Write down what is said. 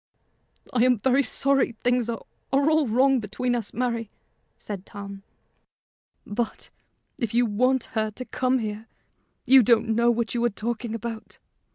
"I am very sorry things are all wrong between us, Mary," said Tom. "But, if you want her to come here, you don't know what you are talking about.